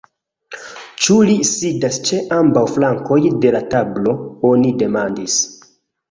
Ĉu li sidas ĉe ambaŭ flankoj de la tablo, oni demandis.